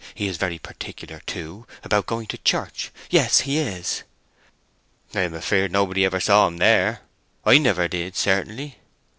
He is very particular, too, about going to church—yes, he is!" "I am afeard nobody saw him there. I never did, certainly."